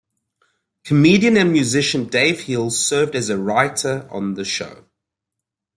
Comedian and musician Dave Hill served as a writer on the show.